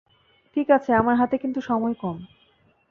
ঠিক আছে, আমার হাতে কিন্তু সময় কম।